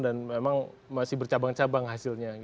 memang masih bercabang cabang hasilnya